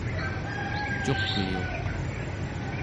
cuq'liuq